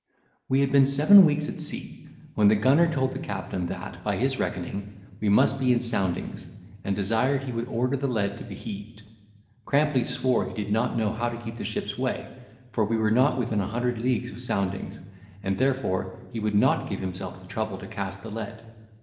We had been seven weeks at sea, when the gunner told the captain that, by his reckoning, we must be in soundings, and desired he would order the lead to be heaved. Crampley swore he did not know how to keep the ship's way, for we were not within a hundred leagues of soundings, and therefore he would not give himself the trouble to cast the lead.